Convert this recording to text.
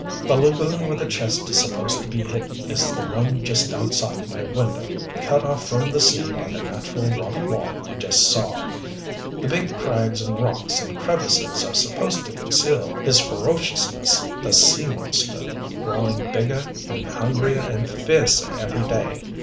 "The lagoon where the chest is supposed to be hidden is the one just outside my window, cut off from the sea by the natural rock wall you just saw. The big crags and rocks and crevices are supposed to conceal his ferociousness the sea monster, growing bigger and hungrier and fiercer every day.